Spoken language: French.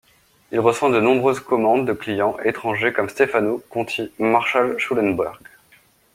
Il reçoit de nombreuses commandes de clients étrangers, comme Stefano Conti, Marshal Schulenburg.